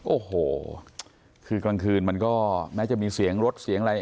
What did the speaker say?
โอ้โหคือกลางคืนมันก็แม้จะมีเสียงรถเสียงอะไร